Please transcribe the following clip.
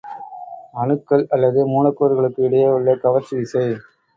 அணுக்கள் அல்லது மூலக்கூறுகளுக்கு இடையே உள்ள கவர்ச்சி விசை.